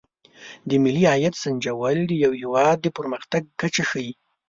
د ملي عاید سنجول د یو هېواد د پرمختګ کچه ښيي.